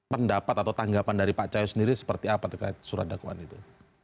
pendapat atau tanggapan dari pak cahyo sendiri seperti apa terkait surat dakwaan itu